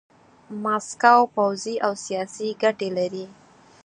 ماسکو پوځي او سیاسي ګټې لري.